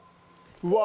うわ！